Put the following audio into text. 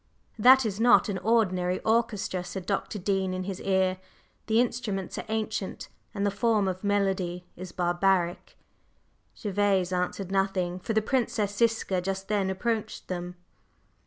"That is not an ordinary orchestra," said Dr. Dean in his ear. "The instruments are ancient, and the form of melody is barbaric." Gervase answered nothing, for the Princess Ziska just then approached them.